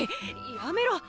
やめろ。